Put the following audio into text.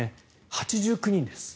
８９人です。